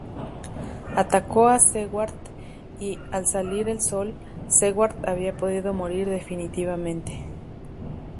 Atacó a Seward y, al salir el sol, Seward había podido morir definitivamente.